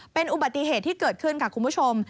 เป็นอุบัติเหตุที่เกิดขึ้นค่ะคุณผู้ชม